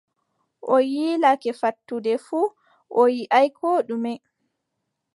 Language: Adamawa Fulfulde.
O yiilake fattude fuu, o yiʼaay koo ɗume!